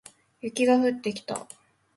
雪が降ってきた